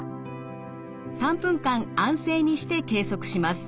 ３分間安静にして計測します。